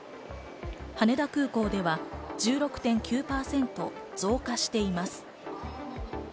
羽田空港では１６．９％増加しています。